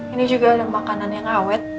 ini juga udah makanan yang awet